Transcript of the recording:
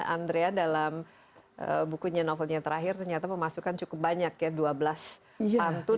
andrea dalam bukunya novelnya terakhir ternyata pemasukan cukup banyak ya dua belas pantun